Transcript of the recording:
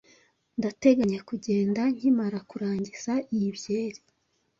Ndateganya kugenda nkimara kurangiza iyi byeri.